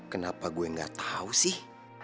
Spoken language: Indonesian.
kenapa gue gak tau sih